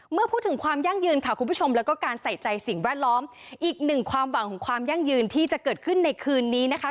เมื่อพูดถึงความยั่งยืนค่ะคุณผู้ชมแล้วก็การใส่ใจสิ่งแวดล้อมอีกหนึ่งความหวังของความยั่งยืนที่จะเกิดขึ้นในคืนนี้นะคะ